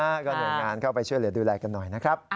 ก็หน่วยงานเข้าไปช่วยเหลือดูแลกันหน่อยนะครับ